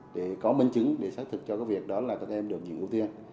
để có minh chứng để xét thực cho các em được nhận ưu tiên